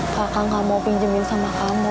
kakak gak mau pinjemin sama kamu